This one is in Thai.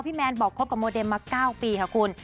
แมนบอกคบกับโมเดมมา๙ปีค่ะคุณ